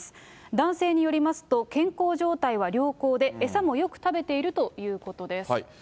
男性によりますと、健康状態は良好で餌もよく食べているということです。